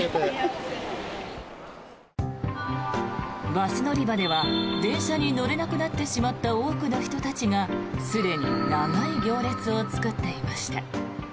バス乗り場では電車に乗れなくなってしまった多くの人たちがすでに長い行列を作っていました。